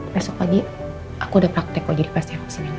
nanti aku udah praktek kok jadi pasti aku kesini